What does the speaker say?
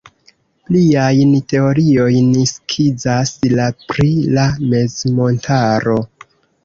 Pliajn teoriojn skizas la pri la mezmontaro.